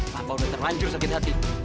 tanpa udah terlanjur sakit hati